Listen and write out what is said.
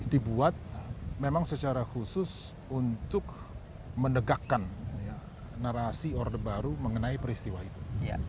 dibuat memang secara khusus untuk menegakkan narasi orde baru mengenai peristiwa itu